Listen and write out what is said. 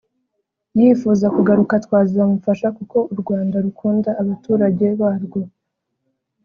yifuza kugaruka twazamufasha kuko u Rwanda rukunda abaturage barwo